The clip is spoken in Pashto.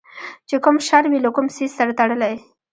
چې کوم شر وي له کوم څیز سره تړلی